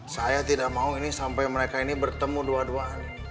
saya tidak mau ini sampai mereka ini bertemu dua dua kali